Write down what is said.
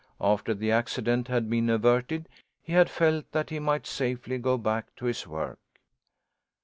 After the accident had been averted, he had felt that he might safely go back to his work.